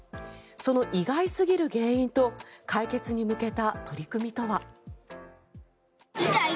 その意外過ぎる原因と解決に向けた取り組みとは。